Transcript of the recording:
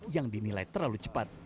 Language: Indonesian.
yang dinilai terlalu cepat